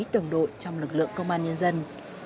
đồng đội trong lực lượng công an nhân dân